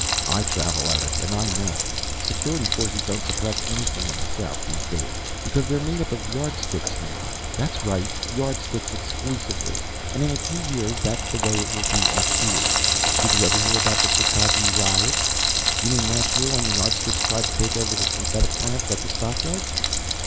"I travel, Eric. And I know. Security forces don't suppress anything in the south these days. Because they're made up of Yardsticks now; that's right, Yardsticks exclusively. And in a few years that's the way it will be up here. Did you ever hear about the Chicagee riots?" "You mean last year, when the Yardsticks tried to take over the synthetic plants at the Stockyards?"